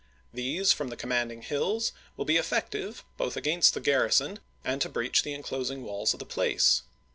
These from the commanding hills will be effective, both against the garrison and to breach the inclosing walls of the place.